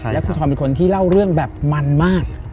และคุณทรเป็นคนที่เล่าเรื่องแบบมันมาก